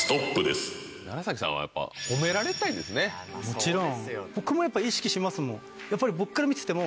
もちろん。